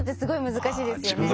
難しいですよね。